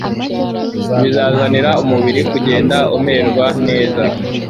bizazanira umubiri kugenda umererwa neza.